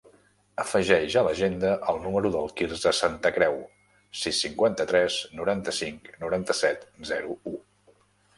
Afegeix a l'agenda el número del Quirze Santacreu: sis, cinquanta-tres, noranta-cinc, noranta-set, zero, u.